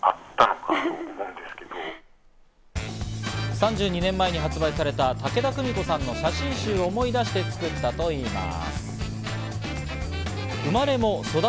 ３２年前に発売された武田久美子さんの写真集を思い出して作ったといいます。